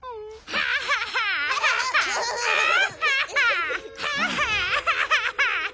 ハハハハハ。